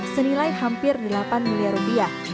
senilai hampir delapan miliar rupiah